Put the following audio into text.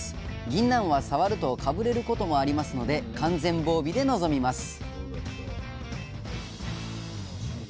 ぎんなんは触るとかぶれることもありますので完全防備で臨みます